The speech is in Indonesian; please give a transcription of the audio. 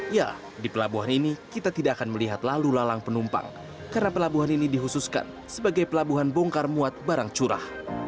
ya di pelabuhan ini kita tidak akan melihat lalu lalang penumpang karena pelabuhan ini dihususkan sebagai pelabuhan bongkar muat barang curah